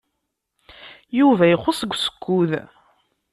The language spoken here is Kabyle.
Yuba ixuṣṣ deg usekkud.